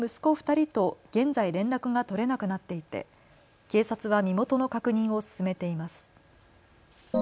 ２人と現在連絡が取れなくなっていて警察は身元の確認を進めています。